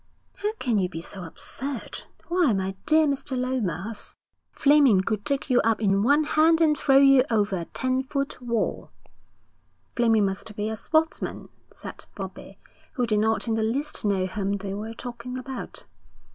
'How can you be so absurd? Why, my dear Mr. Lomas, Fleming could take you up in one hand and throw you over a ten foot wall.' 'Fleming must be a sportsman,' said Bobbie, who did not in the least know whom they were talking about.